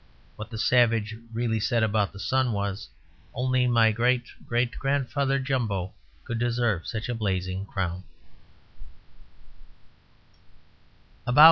What the savage really said about the sun was, "Only my great great grandfather Jumbo could deserve such a blazing crown."